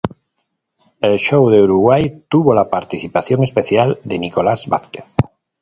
El show de Uruguay tuvo la participación especial de Nicolás Vázquez.